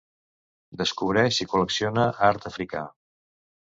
Descobreix i col·lecciona art africà.